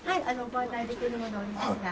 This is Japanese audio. ご案内できる者おりますが。